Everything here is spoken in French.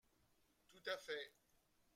Tout à fait